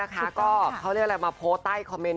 ก็เขาเรียกอะไรมาโพสต์ใต้คอมเมนต